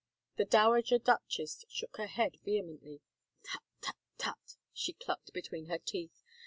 The dowager duchess shook her head vehemently. " Tut tut tut," she clucked between her teeth.